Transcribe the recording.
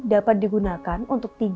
dapat digunakan untuk tiga